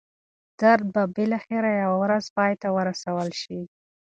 درد به بالاخره یوه ورځ پای ته ورسول شي.